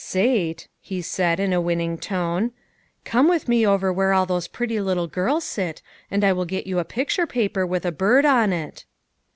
" Sate," he said in a winning tone, "come with me over where all those pretty little girls sit, and I will get you a picture paper with a bird on it."